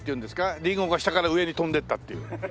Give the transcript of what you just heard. リンゴが下から上に飛んでいったっていう。